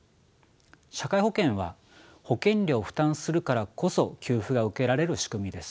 社会保険は保険料を負担するからこそ給付が受けられる仕組みです。